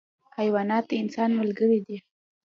حیوانات د انسان ملګري دي.